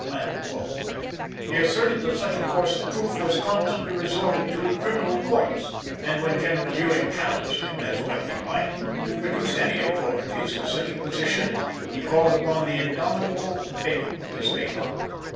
He asserted that such a course of proof was constantly resorted to in criminal courts; and when General Ewing challenged him (as well he might) to produce any authorities for such a position, he called upon the indomitable Bingham to state them.